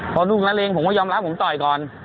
พอลูกละเลงผมก็ยอมรับผมต่อยก่อน